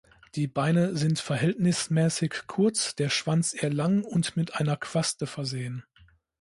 Die Beine sind verhältnismäßig kurz, der Schwanz eher lang und mit einer Quaste versehen.